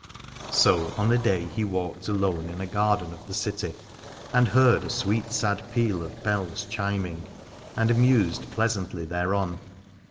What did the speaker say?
So on a day he walked alone in a garden L i6i Aladore of the city, and heard a sweet sad peal of bells chiming, and mused pleasantly thereon.